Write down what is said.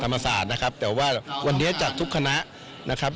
ธรรมศาสตร์ธรรมศาสตร์นะครับแต่ว่าวันนี้จากทุกคณะนะครับ